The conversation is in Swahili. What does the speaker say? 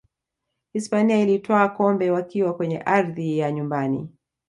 hispania ilitwaa kikombe wakiwa kwenye ardhi ya nyumbani